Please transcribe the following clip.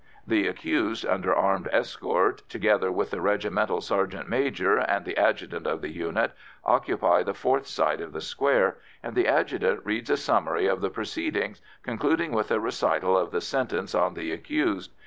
The accused, under armed escort, together with the regimental sergeant major and the adjutant of the unit, occupy the fourth side of the square, and the adjutant reads a summary of the proceedings concluding with a recital of the sentence on the accused.